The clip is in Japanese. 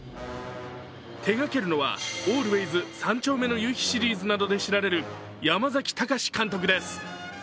手掛けるのは、「ＡＬＷＡＹＳ三丁目の夕日」シリーズなどで知られる山崎貴監督です。